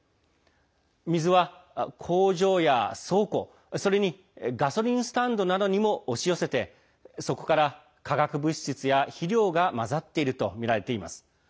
水は工場や倉庫、それにガソリンスタンドなどにも押し寄せてそこから化学物質や肥料が混ざっているとみられています。